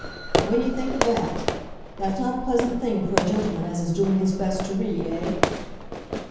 "What d'you think of that? That's not a pleasant thing for a gentleman as is doing his best to read, eh?"